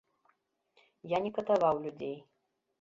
Я не катаваў людзей.